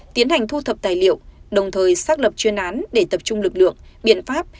tiến hành thu thập tài liệu đồng thời xác lập chuyên án để tập trung lực lượng biện pháp